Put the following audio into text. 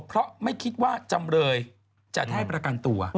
เพราะไม่คิดว่าจำเลยจะได้ประกันตัว